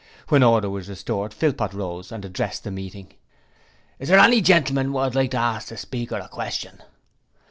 When order was restored, Philpot rose and addressed the meeting: 'Is there any gentleman wot would like to ask the Speaker a question?'